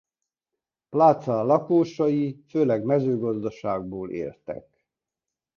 Plaza lakosai főleg mezőgazdaságból éltek.